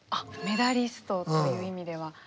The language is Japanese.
メダリストという意味では。